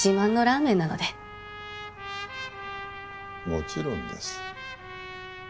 もちろんです。